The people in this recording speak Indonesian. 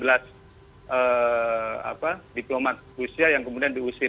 ada diplomat rusia yang kemudian diusir